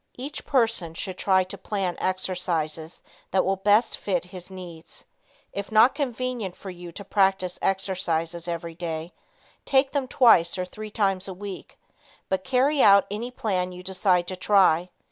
Each person should try to plan exercises that will best fit his needs. If not convenient for you to practice exercises every day, take them twice or three times a week. But carry out any plan you decide to try.